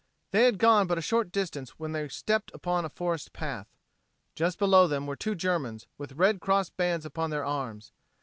They had gone but a short distance when they stepped upon a forest path. Just below them were two Germans, with Red Cross bands upon their arms.